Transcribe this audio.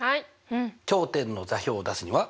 頂点の座標を出すには？